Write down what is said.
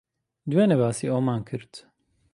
دوێنێ باسی ئەوەمان کرد.